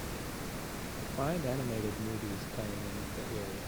Find animated movies playing in the area.